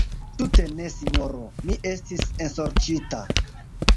Tute ne, sinjoro: mi estis ensorĉita.